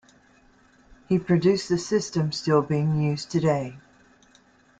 He produced the system still being used today.